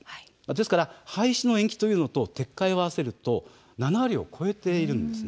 ですので廃止の延期というのと撤回を合わせると７割を超えているんです。